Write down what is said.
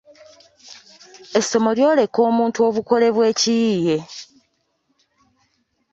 Essomo lyoleka omuntu obukole bw’ekiyiiye